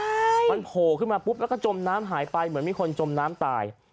พูดนี้เขาโผล่ขึ้นมาปุ๊บเราก็จมน้ำหายไปเหมือนมีคนจมน้ำตาย